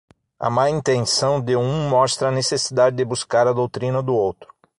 A má intenção de um mostra a necessidade de buscar a doutrina do outro.